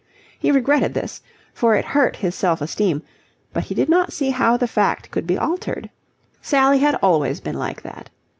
He regretted this, for it hurt his self esteem, but he did not see how the fact could be altered. Sally had always been like that.